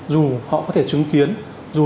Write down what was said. dù họ có thể chứng kiến dù